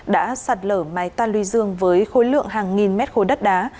đã sạt lở mái tan lươi dương với khối lượng hàng nghìn mét khối đất đá